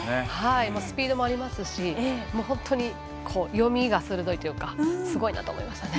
スピードもありますし本当に読みが鋭いというかすごいなと思いましたね。